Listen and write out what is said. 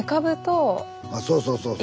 あそうそうそうそう。